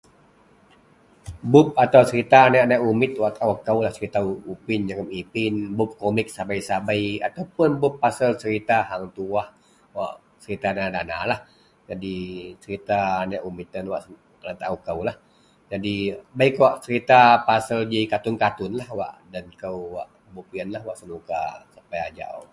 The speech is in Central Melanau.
Buk atau serita anek-anek umit wak tao kou. Serita upin jegum ipin buk komik sabei-sabei atau buk pasel serita Hang Tuwah, wak serita danalah jadi serita anek umit wak tan kena tao koulah. Jadi bei g kawak g serita pasel katun-,katunlah wak den kaou buk ienlah wak senuka sapai ajau.